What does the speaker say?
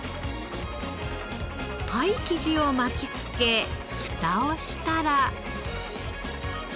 パイ生地を巻き付けフタをしたら。